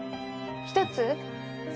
１つ？